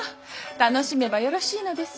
楽しめばよろしいのですよ。